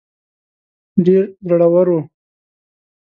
ډېر زړه ور وو.